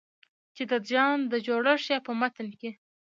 چې د ځان د جوړښت يا په متن کې